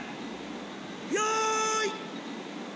よい！